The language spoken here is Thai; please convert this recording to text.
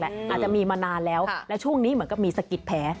อาจจะมีมานานแล้วและช่วงนี้เหมือนกับมีสะกิดแผล